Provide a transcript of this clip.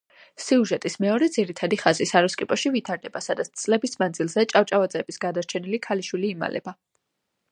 სიუჟეტის მეორე ძირითადი ხაზი საროსკიპოში ვითარდება, სადაც წლების მანძილზე ჭავჭავაძეების გადარჩენილი ქალიშვილი იმალება.